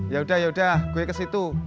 yaudah yaudah gue kesitu